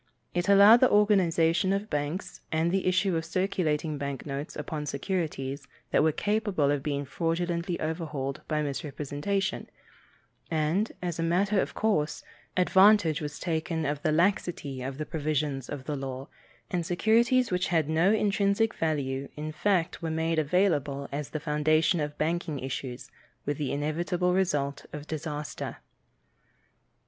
It allowed the organization of banks and the issue of circulating bank notes upon securities that were capable of being fraudulently overvalued by misrepresentation, and, as a matter of course, advantage was taken of the laxity of the provisions of the law, and securities which had no intrinsic value in fact were made available as the foundation of bank issues, with the inevitable result of disaster.